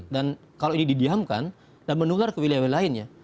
dan kalau ini didiamkan dan menular ke wilayah lain ya